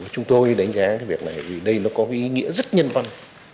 chúng tôi đánh giá cái việc này vì đây nó có cái ý nghĩa rất nhân văn